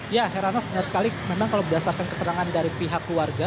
ya heranov benar sekali memang kalau berdasarkan keterangan dari pihak keluarga